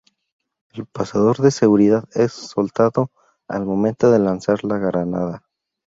El pasador de seguridad es soltado al momento de lanzar la granada.